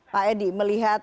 pak edi melihat